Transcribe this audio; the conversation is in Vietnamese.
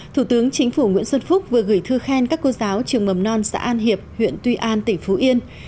thủ tướng chính phủ nguyễn xuân phúc vừa gửi thư khen các cô giáo trường mầm non xã an hiệp huyện tuy an tỉnh phú yên